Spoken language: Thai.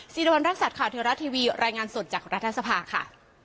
สีรวรรณรัฐสัตว์ข่าวเที่ยวรัฐทีวีรายงานสดจากรัฐสภาค่ะ